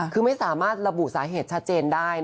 คือไม่สามารถระบุสาเหตุชัดเจนได้